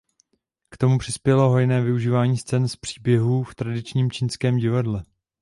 K tomu přispělo hojné využívání scén z "Příběhů" v tradičním čínském divadle.